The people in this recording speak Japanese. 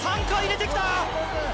３回入れてきた。